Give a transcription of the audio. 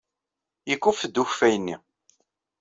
Yekkuffet-d ukeffay-nni.